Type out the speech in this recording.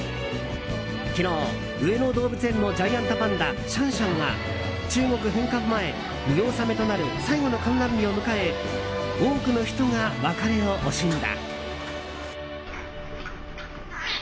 昨日、上野動物園のジャイアントパンダシャンシャンが中国返還前、見納めとなる最後の観覧日を迎え多くの人が別れを惜しんだ。